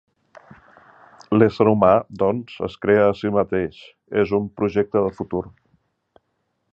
L'ésser humà, doncs, es crea a si mateix, és un projecte de futur.